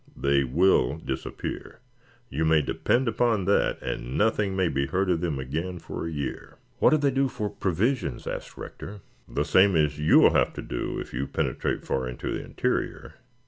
They will disappear. You may depend upon that, and nothing may be heard of them again for a year." "What do they do for provisions?" questioned Rector. "The same as you will have to do if you penetrate far into the interior.